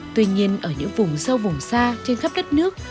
tuy nhiên ở những vùng sâu vùng xa trên khắp đất nước